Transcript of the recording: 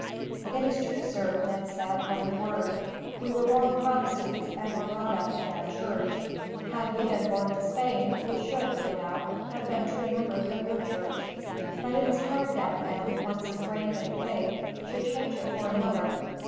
"It is true, sir," Ned said, "every word. We were born Protestants, and were brought up in that church. Had we been born in Spain we should, no doubt, have been true members of your church. But it is hard that men, once ingrained in a faith, should change it for another.